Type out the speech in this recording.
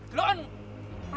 benar ini benar